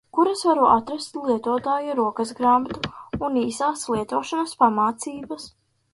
Kur es varu atrast lietotāja rokasgrāmatu un īsās lietošanas pamācības?